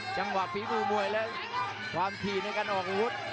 แชลเบียนชาวเล็ก